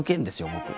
僕。